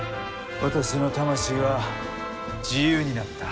私の魂は自由になった。